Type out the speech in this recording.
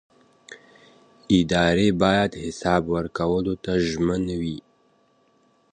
ادارې باید حساب ورکولو ته ژمنې وي